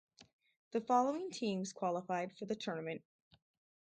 The following teams qualified for the tournament.